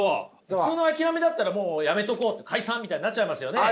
普通の諦めだったらもうやめとこう解散みたいになっちゃいますよね？